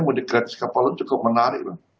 moda gratis kapal laut cukup menarik